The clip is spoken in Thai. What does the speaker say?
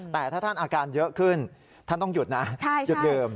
แต่ถ้าท่านอาการเยอะขึ้นท่านต้องหยุดนะหยุดดื่ม